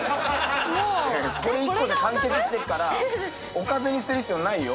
これ１個で完結してっからおかずにする必要ないよ。